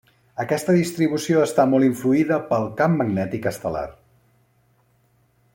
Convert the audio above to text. Aquesta distribució està molt influïda pel camp magnètic estel·lar.